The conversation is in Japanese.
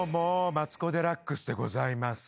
マツコ・デラックスでございます。